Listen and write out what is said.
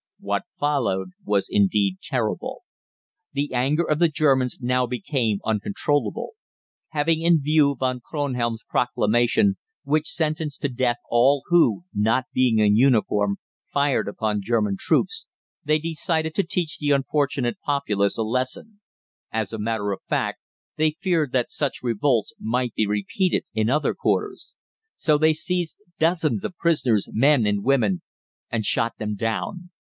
What followed was indeed terrible. The anger of the Germans now became uncontrollable. Having in view Von Kronhelm's proclamation which sentenced to death all who, not being in uniform, fired upon German troops they decided to teach the unfortunate populace a lesson. As a matter of fact, they feared that such revolts might be repeated in other quarters. So they seized dozens of prisoners, men and women, and shot them down.